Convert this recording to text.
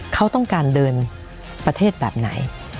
เขาต้องการเดินประเทศแบบไหน